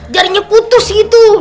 jarinya putus gitu